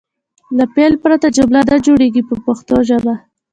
له فعل پرته جمله نه جوړیږي په پښتو ژبه.